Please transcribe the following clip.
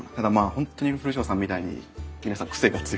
本当に古荘さんみたいに皆さん癖が強い。